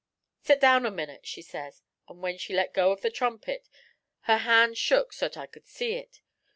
"Set down a minit," she says; an' when she let go of the trumpet her hand shook so't I could see it.